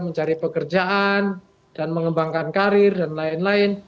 mencari pekerjaan dan mengembangkan karir dan lain lain